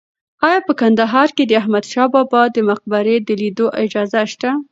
ایا په کندهار کې د احمد شاه بابا د مقبرې د لیدو اجازه شته؟